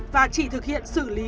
và chỉ thực hiện xử lý